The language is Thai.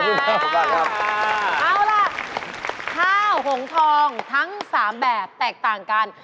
เอาล่ะข้าวหงทองทั้ง๓แบบแตกต่างกัน